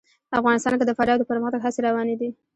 افغانستان کې د فاریاب د پرمختګ هڅې روانې دي.